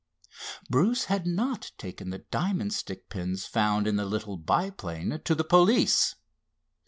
Bruce had not taken the diamond stick pins found in the little biplane to the police.